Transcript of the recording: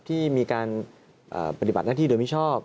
ที่มีการปฏิบัติหน้าที่โดยมิชอบ